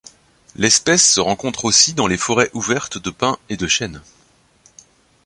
L'espèce se rencontre aussi dans les forêts ouvertes de pins et de chênes.